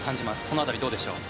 この辺りはどうでしょう。